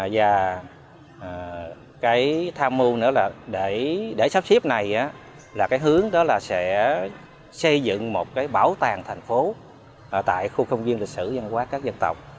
và cái tham mưu nữa là để sắp xếp này là cái hướng đó là sẽ xây dựng một cái bảo tàng thành phố tại khu công viên lịch sử dân quốc các dân tộc